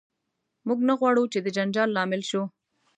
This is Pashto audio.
موږ نه غواړو چې د جنجال لامل شو.